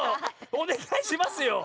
おねがいしますよ！